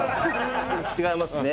違いますね。